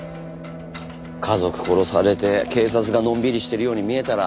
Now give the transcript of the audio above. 家族殺されて警察がのんびりしてるように見えたら。